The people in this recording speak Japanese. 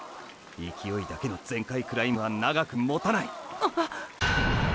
勢いだけの全開クライムは長くもたない。